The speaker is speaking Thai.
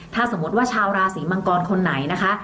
ถ้าสมมติว่าชาวราศีมังกรคนไหนนะคะ